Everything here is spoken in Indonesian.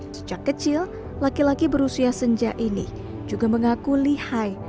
sejak kecil laki laki berusia senja ini juga mengaku lihai